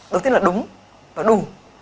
đầu tiên là đúng và đủ